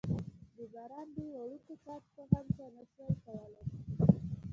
د باران دې وړوکو څاڅکو هم څه نه شوای کولای.